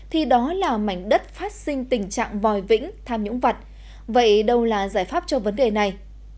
tất phát sinh tình trạng vòi vĩnh tham nhũng vật vậy đâu là giải pháp cho vấn đề này